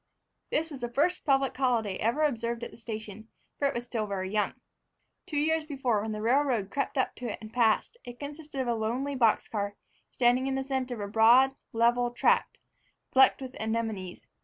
This was the first public holiday ever observed at the station, for it was still very young. Two years before, when the railroad crept up to it and passed it, it consisted of a lonely box car standing in the center of a broad, level tract flecked with anemones.